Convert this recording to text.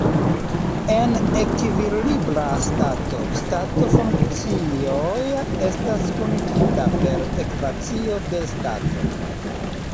En ekvilibra stato stato-funkcioj estas kunigita per ekvacio de stato.